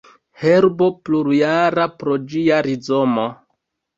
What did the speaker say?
Herbo plurjara pro ĝia rizomo.